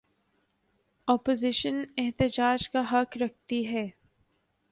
Opposition احتجاج کا حق رکھتی ہے۔